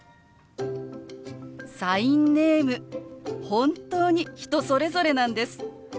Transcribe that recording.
本当に人それぞれなんです。